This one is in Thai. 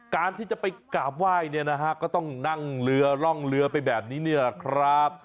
การที่จะไปกราบไหว้เนี่ยนะฮะก็ต้องนั่งเรือร่องเรือไปแบบนี้นี่แหละครับ